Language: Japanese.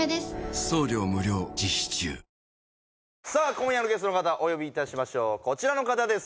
今夜のゲストの方お呼びいたしましょうこちらの方です